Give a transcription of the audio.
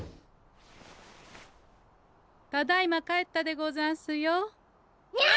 ただいま帰ったでござんすよ。